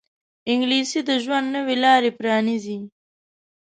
انګلیسي د ژوند نوې لارې پرانیزي